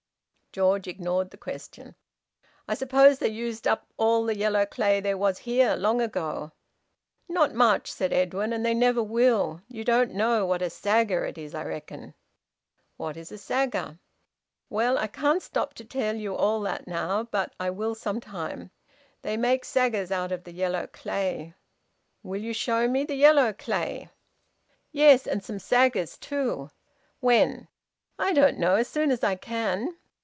George ignored the question. "I suppose they used up all the yellow clay there was here, long ago?" "Not much!" said Edwin. "And they never will! You don't know what a sagger is, I reckon?" "What is a sagger?" "Well, I can't stop to tell you all that now. But I will some time. They make saggers out of the yellow clay." "Will you show me the yellow clay?" "Yes, and some saggers too." "When?" "I don't know. As soon as I can."